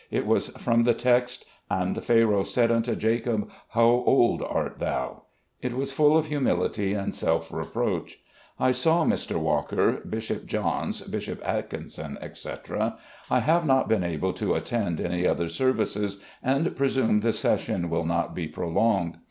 It was from the text, 'and Pharaoh said unto Jacob, how old art thou ?' It was full of humility and self reproach. I saw Mr. Walker, Bishop Johns, Bishop Atkinson, etc. I have not been able to attend any other services, and presume the session will not be prolonged.